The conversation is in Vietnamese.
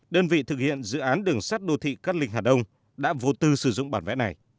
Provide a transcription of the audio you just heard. đơn vị thực hiện dự án đường sắt đô thị cát linh hà đông đã vô tư sử dụng bản vẽ này